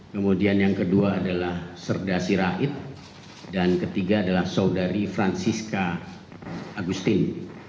kemudian yang kedua adalah serda sirait dan ketiga adalah saudari francisca agustin